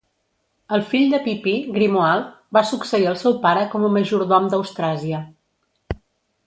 El fill de Pipí, Grimoald, va succeir el seu pare com a majordom d'Austràsia.